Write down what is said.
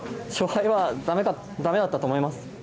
勝敗は、だめだったと思います。